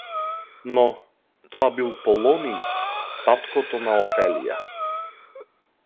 Но, тоа бил Полониј, таткото на Офелија.